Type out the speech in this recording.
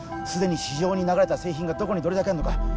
すでに市場に流れた製品がどこにどれだけあるのか